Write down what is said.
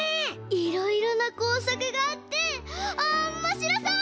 いろいろなこうさくがあっておもしろそう！